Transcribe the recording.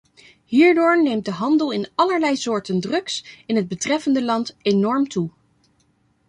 Hierdoor neemt de handel in allerlei soorten drugs in het betreffende land enorm toe.